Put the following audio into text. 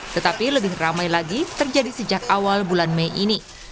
tetapi lebih ramai lagi terjadi sejak awal bulan mei ini